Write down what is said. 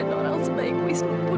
dan orang sebaikmu